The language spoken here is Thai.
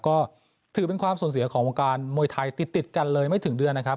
ก็ถือเป็นความส่วนเสียของวงการมวยไทยติดกันเลยไม่ถึงเดือนนะครับ